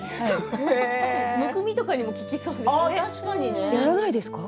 むくみとかにも効きそうですね。